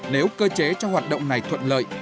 nếu cơ chế cho hoạt động này thuận lợi